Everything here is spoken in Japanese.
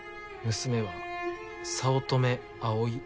娘は早乙女葵。